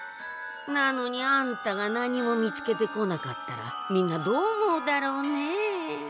なのにあんたが何も見つけてこなかったらみんなどう思うだろうねえ。